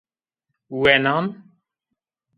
Wenan.